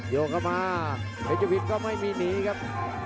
โยกกลับมาเพชรยุพิธธิ์ก็ไม่มีหนีครับ